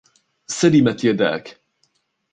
سلمت يداك!